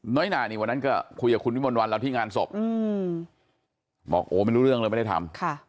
น้อยหนานี่วันนั้นก็คุยกับคุณวิมลวันเราที่งานศพบอกโอ้ไม่รู้เรื่องเลยไม่ได้ทำ